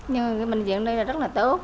nhưng bệnh viện ở đây là rất là tốt